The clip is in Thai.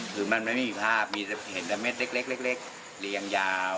คือมันไม่มีภาพมีแต่เห็นแต่เม็ดเล็กเรียงยาว